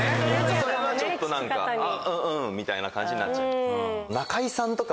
それはちょっと何かあっうんみたいな感じになっちゃう。